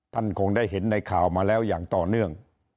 คงได้เห็นในข่าวมาแล้วอย่างต่อเนื่อง